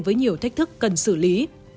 với nhiều thách thức cần xử lý